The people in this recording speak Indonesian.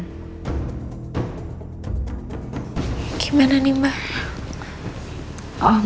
tapi aku juga ga mungkin biarin jessy pergi sendirian